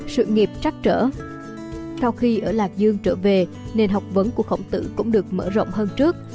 sau khi ở lạc dương trở về nền học vấn của khổng tử cũng được mở rộng hơn trước